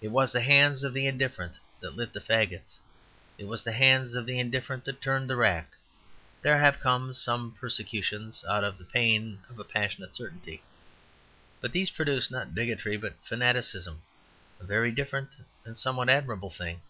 It was the hands of the indifferent that lit the faggots; it was the hands of the indifferent that turned the rack. There have come some persecutions out of the pain of a passionate certainty; but these produced, not bigotry, but fanaticism a very different and a somewhat admirable thing.